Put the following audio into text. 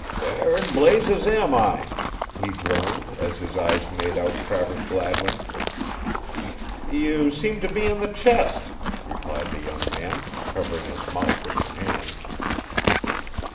"Where in blazes am I?" he groaned as his eyes made out Travers Gladwin. "You seem to be in the chest," replied the young man, covering his mouth with his hand.